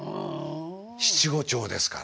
七五調ですから。